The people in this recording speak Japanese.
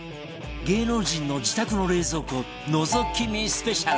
芸能人の自宅の冷蔵庫のぞき見スペシャル